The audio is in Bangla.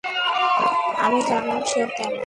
আমি যেমন, সেও তেমন।